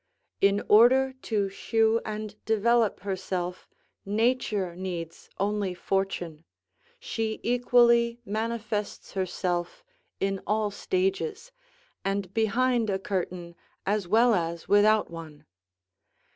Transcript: In order to shew and develop herself, nature needs only fortune; she equally manifests herself in all stages, and behind a curtain as well as without one.